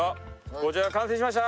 こちら完成しました。